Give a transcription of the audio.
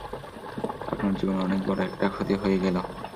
আপনার জীবনের অনেক বড় একটা ক্ষতি হয়ে গেলো।